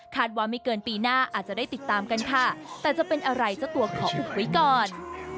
ว่าไม่เกินปีหน้าอาจจะได้ติดตามกันค่ะแต่จะเป็นอะไรเจ้าตัวขออุบไว้ก่อน